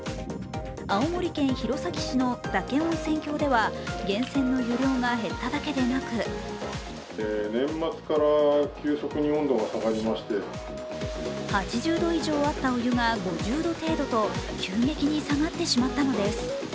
青森県弘前市の嶽温泉郷では源泉の湯量が減っただけでなく８０度以上あったお湯が５０度程度と急激に下がってしまったのです。